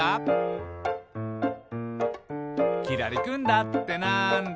「きらりくんだってなんだ？」